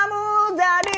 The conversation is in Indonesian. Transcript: kau membawa kehancuran